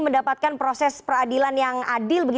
mendapatkan proses peradilan yang adil